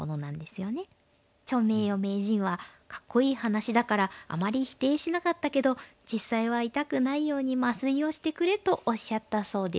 趙名誉名人はかっこいい話だからあまり否定しなかったけど実際は「痛くないように麻酔をしてくれ！」とおっしゃったそうです。